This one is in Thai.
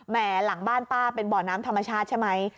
หลังบ้านป้าเป็นบ่อน้ำธรรมชาติใช่ไหม